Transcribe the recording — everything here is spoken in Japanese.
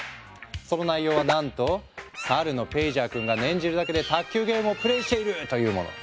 その内容はなんと猿のペイジャー君が念じるだけで卓球ゲームをプレイしている！というもの。